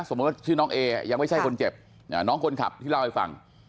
ชื่อน้องเอยังไม่ใช่คนเจ็บน้องคนขับที่เล่าให้ฟัง